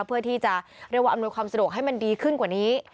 เพื่อที่จะเรียกว่าอำนวยความสะดวกให้มันดีขึ้นกว่านี้